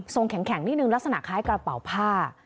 แข็งนิดนึงลักษณะคล้ายกระเป๋าผ้า